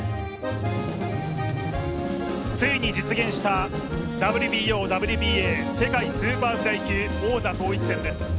ついに実現したＷＢＯ・ＷＢＡ世界スーパーフライ級王座統一戦です。